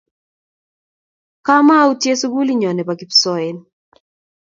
komautye sugulinyo nebo kipsoen